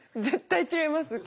絶対違います。